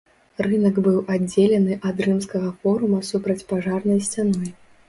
Рынак быў аддзелены ад рымскага форума супрацьпажарнай сцяной.